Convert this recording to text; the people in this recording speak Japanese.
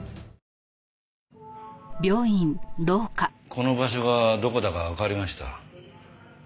この場所がどこだかわかりました。